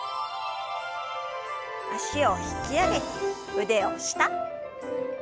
脚を引き上げて腕を下。